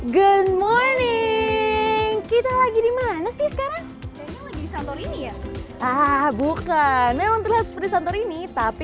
geng morning kita lagi di mana sih sekarang ah bukan memang terlihat seperti santorini tapi